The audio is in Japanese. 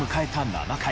７回。